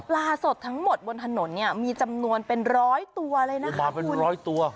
สดทั้งหมดบนถนนเนี่ยมีจำนวนเป็นร้อยตัวเลยนะคะมาเป็นร้อยตัว